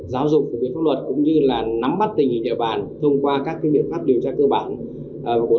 giáo dục pháp luật cũng như nắm mắt tình hình địa bàn thông qua các biện pháp điều tra cơ bản của lực lượng công an